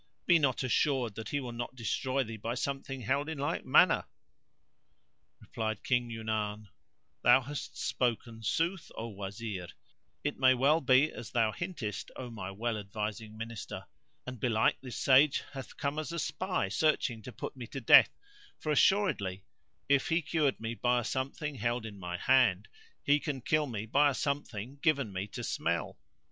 Be not assured that he will not destroy thee by something held in like manner! Replied King Yunan, "Thou hast spoken sooth, O Wazir, it may well be as thou hintest O my well advising Minister; and belike this Sage hath come as a spy searching to put me to death; for assuredly if he cured me by a something held in my hand, he can kill me by a something given me to smell."